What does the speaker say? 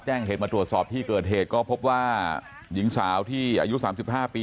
เหตุมาตรวจสอบที่เกิดเหตุก็พบว่าหญิงสาวที่อายุ๓๕ปี